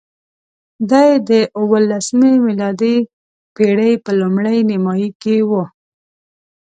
دی د اوولسمې میلادي پېړۍ په لومړۍ نیمایي کې وو.